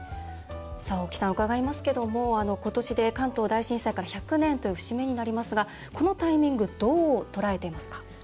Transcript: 大木さん、伺いますが今年で関東大震災から１００年という節目になりますがこのタイミングどう捉えていますか？